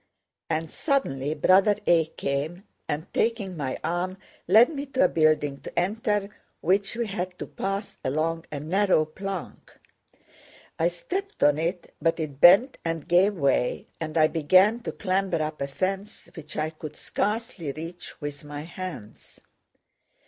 And suddenly Brother A. came and, taking my arm, led me to a building to enter which we had to pass along a narrow plank. I stepped on it, but it bent and gave way and I began to clamber up a fence which I could scarcely reach with my hands.